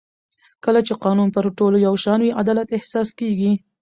کله چې قانون پر ټولو یو شان وي عدالت احساس کېږي